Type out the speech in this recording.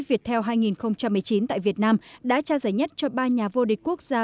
viettel hai nghìn một mươi chín tại việt nam đã trao giải nhất cho ba nhà vô địch quốc gia